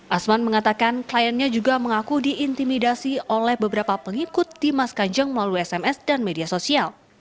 asman mengatakan kliennya juga mengaku diintimidasi oleh beberapa pengikut dimas kanjeng melalui sms dan media sosial